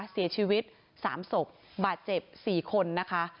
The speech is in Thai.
เสียชีวิต๓ศพบาดเจ็บ๔คนนะคะ